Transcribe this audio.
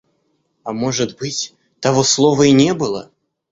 А может быть, того слова и не было.